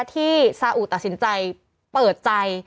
ที่ซาอุตัดสินใจเปิดใจ